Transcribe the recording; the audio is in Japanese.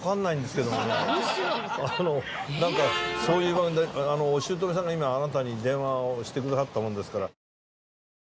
あのなんかそういうお姑さんが今あなたに電話をしてくださったものですから。